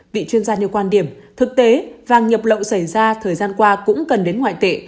vị chuyên gia nêu quan điểm thực tế vàng nhập lậu xảy ra thời gian qua cũng cần đến ngoại tệ